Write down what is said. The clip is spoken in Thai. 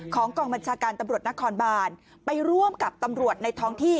กองบัญชาการตำรวจนครบานไปร่วมกับตำรวจในท้องที่